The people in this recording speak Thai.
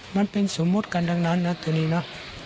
มันเป็นสมมุติกันทั้งนั้นนะตัวนี้นะ